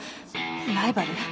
ライバル？